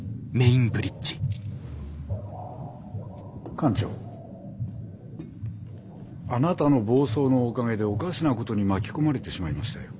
艦長あなたの暴走のおかげでおかしなことに巻き込まれてしまいましたよ。